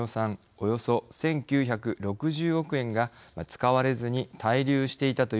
およそ１，９６０億円が使われずに滞留していたというのです。